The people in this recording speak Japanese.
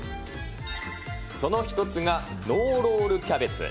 その１つがノーロールキャベツ。